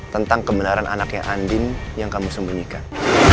tentang kebenaran anaknya andin yang kamu sembunyikan